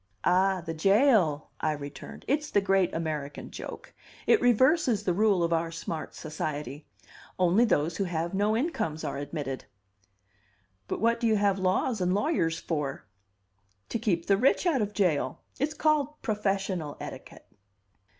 "Ah, the jail!" I returned. "It's the great American joke. It reverses the rule of our smart society. Only those who have no incomes are admitted." "But what do you have laws and lawyers for?" "To keep the rich out of jail. It's called 'professional etiquette.